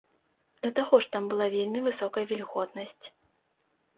Да таго ж там была вельмі высокая вільготнасць.